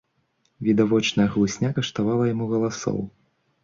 Відавочная хлусня каштавала яму галасоў.